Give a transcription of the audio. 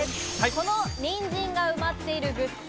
このニンジンが埋まっているグッズ。